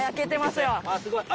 すごい。